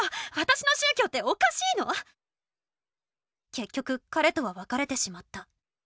「結局彼とは別れてしまった。